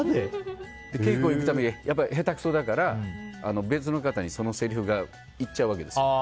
稽古行くたびに下手くそだから別の方にそのせりふがいっちゃうわけですよ。